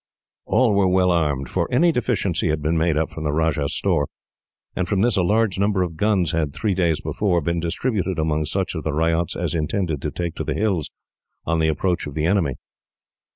All were well armed, for any deficiency had been made up from the Rajah's store, and from this a large number of guns had, three days before, been distributed among such of the ryots as intended to take to the hills on the approach of the enemy.